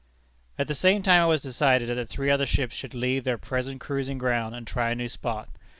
At the same time it was decided that the three other ships should leave their present cruising ground, and try a new spot.